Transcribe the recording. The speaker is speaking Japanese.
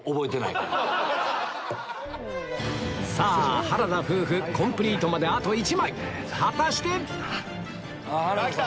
さぁ原田夫婦コンプリートまであと１枚果たして⁉原田さん来た。